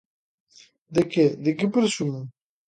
¿De que?, ¿de que presumen?